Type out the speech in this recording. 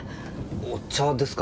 お茶ですか？